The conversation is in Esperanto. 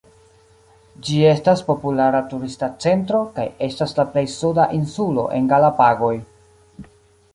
Ĝi estas populara turista centro, kaj estas la plej suda insulo en Galapagoj.